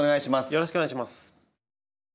よろしくお願いします！